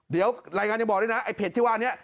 เดี๋ยวรายงานยังบอกด้วยนะไอ้เพจที่ว่านี้